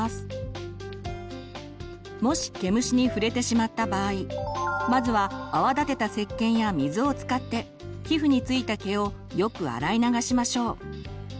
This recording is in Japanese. もし毛虫に触れてしまった場合まずは泡立てたせっけんや水を使って皮膚に付いた毛をよく洗い流しましょう。